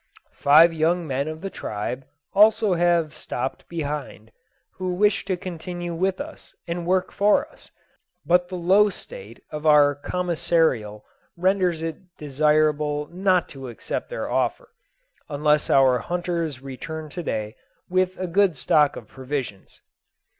Five young men of the tribe also have stopt behind, who wish to continue with us and work for us, but the low state of our commissarial renders it desirable not to accept their offer, unless our hunters return to day with a good stock of provisions.